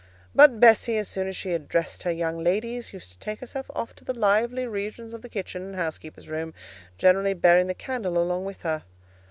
But Bessie, as soon as she had dressed her young ladies, used to take herself off to the lively regions of the kitchen and housekeeper's room, generally bearing the candle along with her.